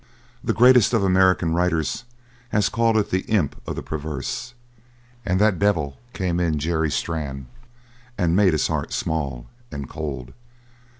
The greatest of American writers has called it the Imp of the Perverse. And that devil came in Jerry Strann and made his heart small and cold.